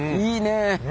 いいね。